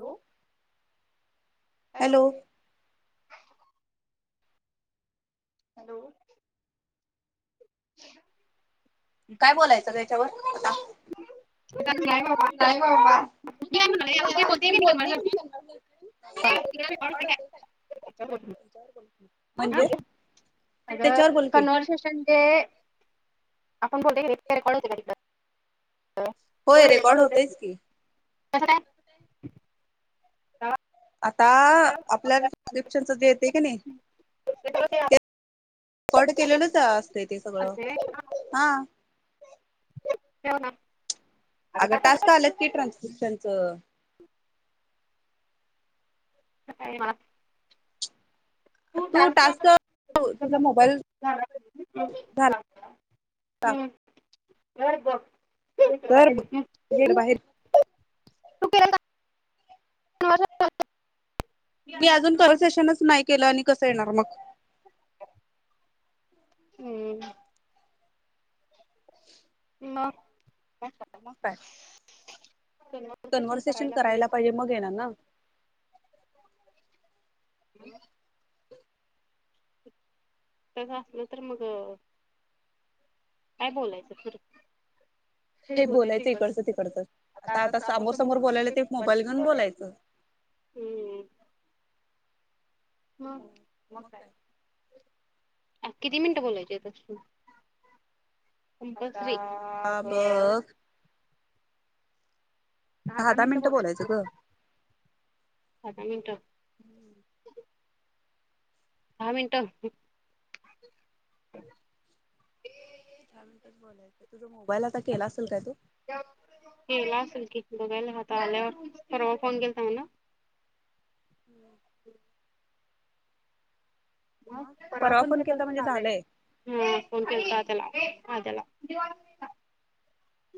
Hello, hello hello [inaudible] काय बोलायचं त्याच्यावर आता [unintelligible] ती काय म्हणाले त जे बोलतेय कध करणार [unintelligible] [unintelligible] ह कन सेशन ज [unintelligible] आपण बोलत कॉलेज [unintelligible] होय रेकॉर्ड होतच की तस [unintelligible] आता आपल्या ट्रान्सस्क्रीप्शन ज येते क नाही ते रेकॉर्ड केलेलंच असते ते सगळं हा होव ना [unintelligible] अगं टास्क आलात की ट्रान्सक्रिप्शनचं ह [unintelligible] तू टास्क तुझ मोबाईल झाला धर बघ तर घर बाहेर मी अजून ख सेशनच नाही केलं आणि कसं येणार मग [inaudible] म काय कन्व्हर्सेशन करायला पाहिजे मग येनार ना नंतर मग अं काय बोलायचं फिर हे बोलायचं इकडचं त इिकडचं आता सामोर समोर बोलायला ते मोबाईल घेऊन बोलायचं म काय किती मिनिटं बोलायचे तस [unintelligible] धा धा मिनटं बलायच धा धा दहा मिनिट धा मिनिट धा मिटचं बोलायचं तुझ मोबाईल केला असल कि बघायला आल्यावर परवा फोन केलता ना हम्म मग परवा फोन केलता झालय हम्म फोन केलता त्याला दिवाळी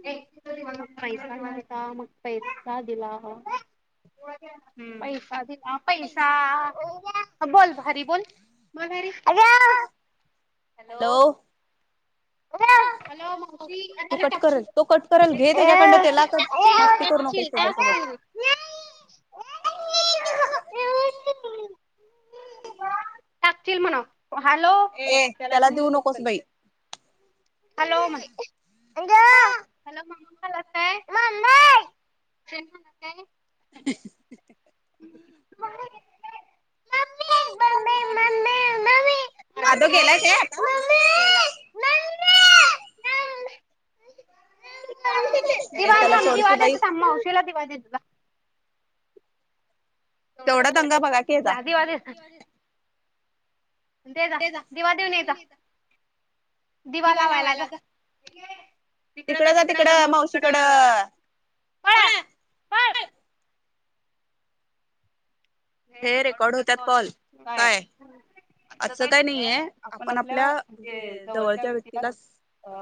पैसा नाही का मग पैसा दिला पैसा दिला पैसा वा बोल भारी बोल हरी हॅलो हो हॅलो मावशी का [unintelligible] टाकतील म्हणाव हॅलो ये त्याला देऊ नको फोन हॅलो म्हनु हॅलो हॅलो मम खाल्लास काय मम्मम [inaudible] आधो गेलाय काय आता वा दिवा थांंब देते थांब मावशीला दिवा देते विझला केवढा दंगा बघा के ह्याचा. ते जा दिवा देऊन या जा दिवा लावायला जा तिकड जा तिकड माऊ तिकड पळा पळ. हे रेकॉर्ड होतात कॉल काय आजं काय नाहीय आपण आपल्या म्हणजे जवळच्या व्यक्तीला अ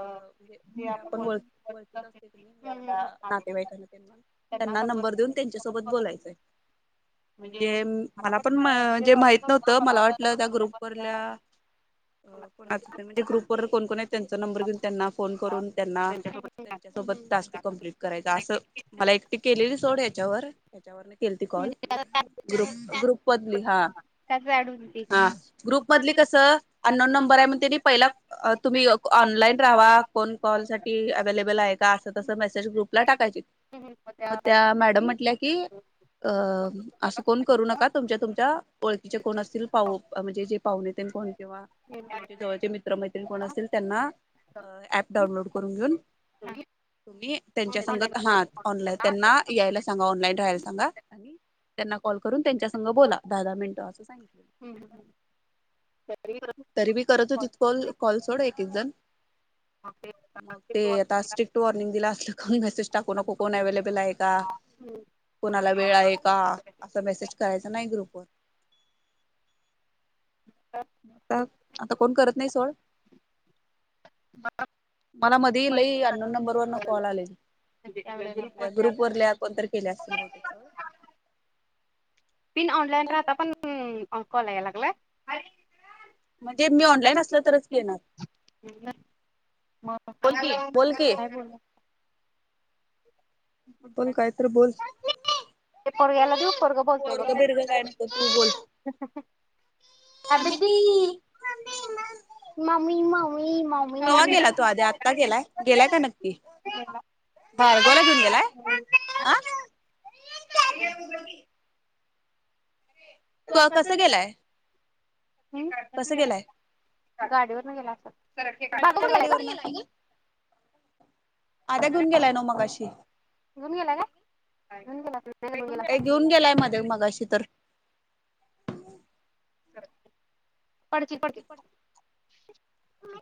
जे आपण वळकीच असत म्हणजे आपल्या नातेवाईकांना त्यांना त्यांना नंबर देऊन त्यांच्या सोबत बोलायचंय. म्हणजे मला पण जे माहित नव्हतं मला वाटलं त्या ग्रुपवरल्या कोणाच म्हणजे ग्रुपवर कोणकोण आहेत त्यांचा नंबर घेऊन त्यांना फोन करून त्यांना त्यांच्यासोबत टास्क कंप्लीट करायचा असं मला एकटी केलेली सोड याच्यावर बर त्याच्यावर म्हणजे ग्रुप मधली हा हा ग्रुप मधली कसं अननोन नंबर आहे म्हणनी पहिला तुम्ही ऑनलाईन राहावा कोण कॉल साठी अवलेबल आहे का अस तस मेसेज ग्रुपला टाकायची मग त्या मॅडम म्हटल्या की अ असं कोण करू नका तुमच्या तुमच्या ओळखीचे कोण असतील पाहु म्हणजे जे पाह नते कोण किंवा तुमच्या जवळचे मित्रमैत्रीण कोण असतील त्यांना ऍप डाऊनलोड करून घेऊन. [inaudible] त्यांच्या संगत हा ऑनलाईन त्यांना यायला सांगा ऑनलाईन राहायला सांगा आणि त्यांना कॉल करून त्यांच्यासंग बोला दहा दहा मिनिटं असं सांगितलं. तरी मी करत होती कॉल कॉल थोड एक एक जण मग ते आता स्ट्रिक्ट वॉर्निंग दिलं असलं मेसेज टाकू नको कोण अवेलेबल आहे का? कोणाला वेळ आहे का? असा मेसेज करायचा नाही ग्रुप वर. आता आता कोण करत नाही सोड. मला मध लई अन्नोन नंबर वरन कॉल आलेल ग्रुप वरल्या कोण तर केल्या असतील म त्या. पिन ऑनलाईन राहता पण कॉल या लागला. म्हणजे मी ऑनलाईन असलं तरच घेणार मग बोल की. काय बोला? [inaudible] बोल कायतर बोल. पोरगा ला देवू पोरग बोलतय बघ. तेवा्हा गेला तो आधी आता गेलाय? गेलाय का नक्की? भारगवला घेऊन गेलाय? अ? क कसं गेलंय? ह् गाडीवर न गेला अस दादू खुठे गेलाय ग? आता्या घेऊन गेलाय ना मघाशी [inaudible] हे घेऊन गेलाय माझ्या मगाशी तर स पड की, पड की ह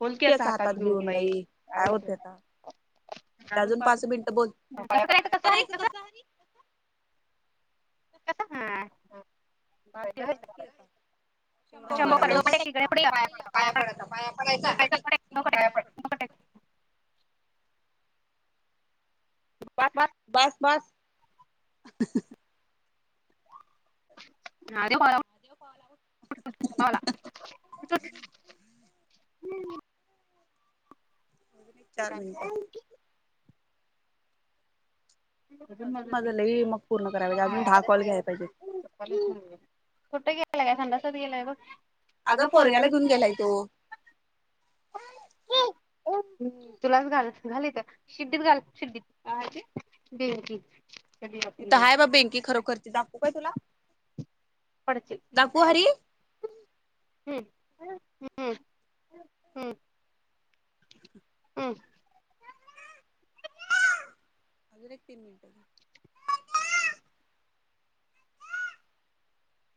बोलते अस हातात घेऊन बाई, काय होते आता? अजून पाच मिनिट बोल, करायच कस आणि? हा [unintelligible] बास बास [unintelligible] हा [unintelligible] चार मिनट अजून माझं लय मग पूर्ण करायचं, अजून दहा कॉल घ्याय पाहिजे कुठं गेला? काय संडासात गेलाय बघ. अगं पोरग्याला घेऊन गेलाय तो ह् तुलाच घाल, घाली तर शिडडीत घाल [unintelligible] [unintelligible] दाखवू का तुला पडशील दाखवु हरी हम्म हम्म हम्म अजून एक तीन मिनट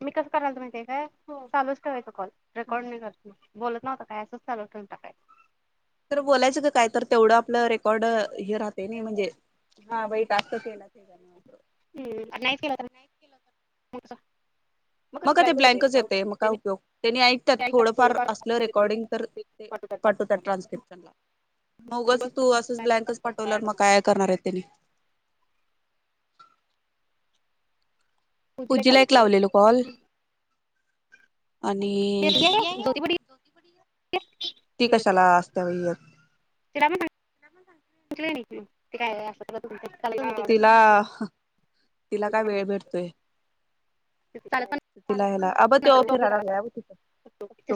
मी कसं करायला त माहितीे काय? चालूच ठेवायच कॉल, रेकॉर्ड नाही करत मी बोलत नव्हता. हे असच चालू ठेवून टाकायचं. तर बोलायचं का काय तर तेवढं आपलं रेकॉर्ड हे राहते नाही म्हणजे, हा बाई टास्क केला. [unintelligible] मग का ते ब्लँकच येते मग काय उपयोग? त्यांनी ऐकतात थोडंफार असलं रेकॉर्डिंग तर ते पाठवतात ट्रान्स्क्रिप्शनला. मग उगाच तू असंच ब्लँकच पाठवल्यावर मग काय करणार आहे त्याने. पूजीला एक लावलेलो कॉल. आणि ती कशाला असत्या वयत ते काय असत का तुमच तिला तिला काय वेळ भेटतोय तिला ह्यायला अ ब तो फिराय लागलाय बघ तिथं तो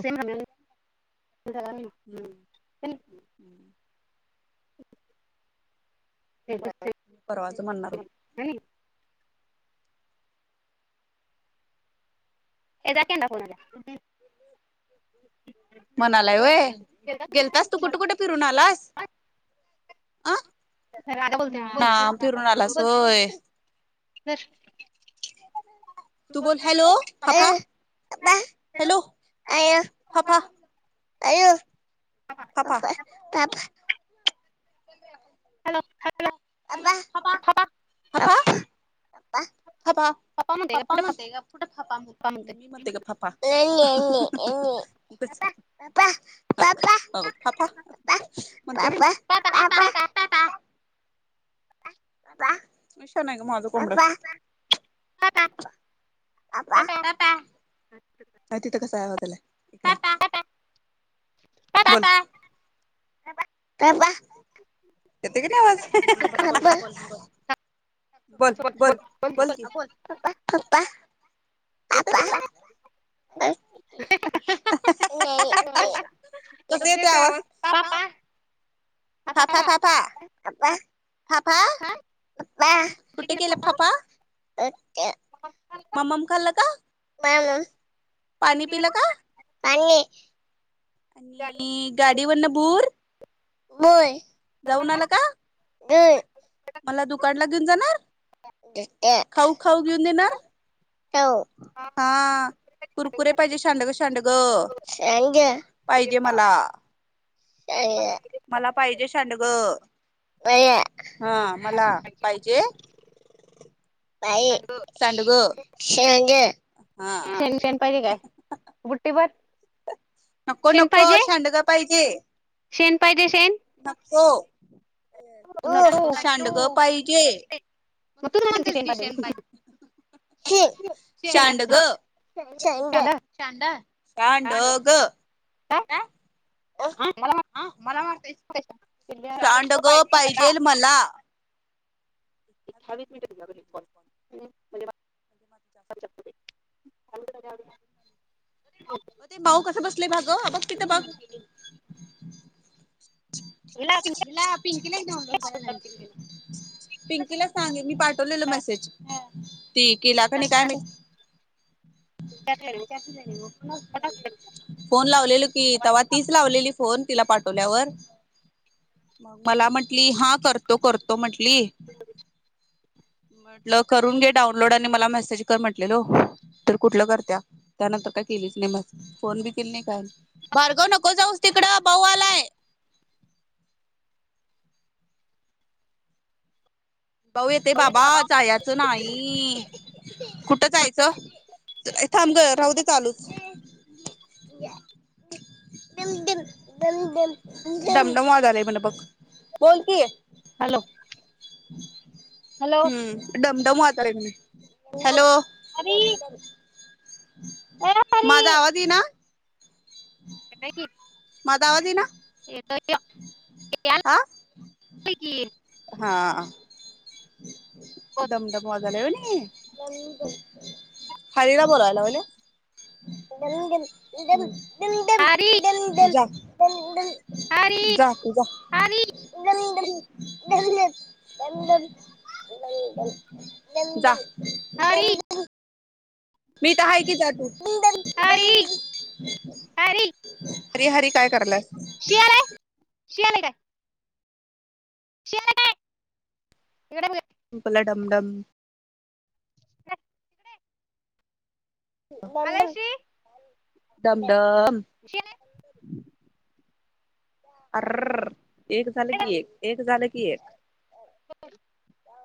हम्म [unintelligible] परवाच म्हणणार हो [unintelligible] म्हणालाय वय गेलतास तू कुठ कुठ फिरून आलास. अं बोल बोल धर तू बोल हॅलो हफा हॅलो हफा अयो पफा पफा हलो अफा अफा [unintelligible] किती शहाण आहय गं माझ पापा पापा तिथं कसं आवाज आलाय. पापा पापा का बा येत कनी आवाज बोल बोल बोलकी पपा पपा ह ह ह ह ह कस येतय आवाज फफा फफा फफा फफा कुट गेल फपा ममम खाल्ला का ममम पाणी पिला का पाणी आणि गाडीवरन भूर होय जाऊन आला का मला दुकानला घेऊन जाणार खाऊ खाऊ घेऊन देणार हा कुरकुरे पाहिजे शांडग शांडग पाहिजे मला मला पाहिजे सांडग हा मला पाहिजे पा सांडग शेनशन पाहिजे काय बुट्टी भर नको नको शांडग पाहिजे सन पायद नको ंडक पाई ज म्हणतेचिसेन पा चांड ग ग चांड शांड ग ह हांला सांड ग पाहिजे मला ्यावीच मी कॉल म्हणजे म ते भाऊ कसं बसत [inaudible] ग बघ तिथ बघ इ ला पिंकीलाच डाउनलोड कराला पिंकीला सांगे मी पाठवलेल मेसेज ते केला क नाही काय म फोन लावलेल की तवा तीच लावलेली फोन तिला पाठवल्यावर मला म्हंटली हा करतो करतो म्हंट प्ली म्हटलं करून घे डाऊनलोड आणि मला मेसेज कर म्हटलेलो तर कुठलं करत्या त्यानंतर काय केलीच नाही माझ फोन बी केली नाही कायारगा नक जाऊ तिकडं बऊवालाय भाऊ येते बाबा जायचं नाही कुठं जायचं थांब राहू दे चालूच दमडम वा झा आलाय म्ह बग बोल कि हम्म दमदम आत- [unintelligible] हॅलो माझा आवा त ना मा दवाली ना आा हां दमदम वाजाल ना खलीला बला [inaudible] आरी पण [unintelligible] जा तु जा [unintelligible] गंदंद [unintelligible] हरी मी त हाय की जा तु हरी हरी हरी हरी काय करलास शेर आहे [unintelligible] शियाले काय [unintelligible] [unintelligible] पला डमडम नंद [unintelligible] डम डम [unintelligible] ज [unintelligible] हम्म [unintelligible] अर [unintelligible] एक झालं की एक एक झालं की क